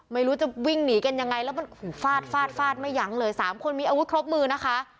ไม่รู้จะวิ่งหนีกันยังไงแล้วมันหูฟาดฟาดฟาดไม่ยั้งเลยสามคนมีอาวุธครบมือนะคะ